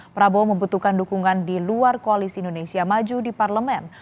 prabowo membutuhkan dukungan di luar koalisi indonesia maju di parlemen